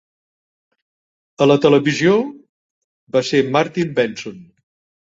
A la televisió, va ser Martin Benson.